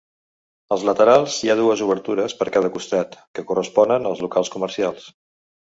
Als laterals hi ha dues obertures per cada costat, que corresponen als locals comercials.